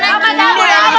tuh apa tuh